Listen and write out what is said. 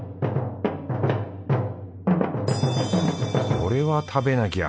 これは食べなきゃ。